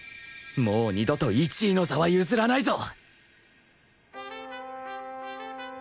もう二度と１位の座は譲らないぞ！